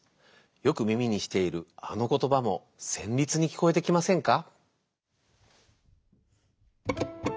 よく耳にしているあのことばもせんりつにきこえてきませんか？